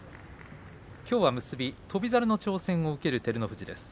きょうは結び翔猿の挑戦を受ける照ノ富士です。